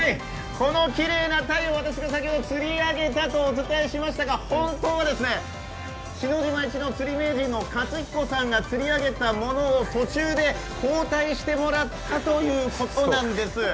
このきれいなタイを先ほど釣り上げたとお伝えしましたが本当は、篠島一の釣り名人の勝彦さんが釣り上げたものを途中で交代してもらったということなんです。